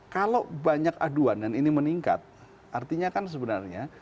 kalau banyak aduan dan ini meningkat artinya kan sebenarnya